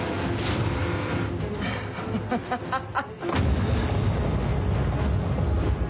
ハハハハ！